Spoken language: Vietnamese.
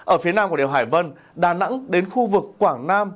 ở phía nam của điều hải vân đà nẵng đến khu vực quảng nam